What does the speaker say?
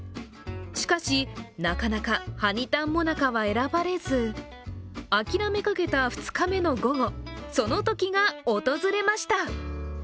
しかし、なかなかはにたん最中は選ばれず諦めかけた２日の午後そのときが訪れました。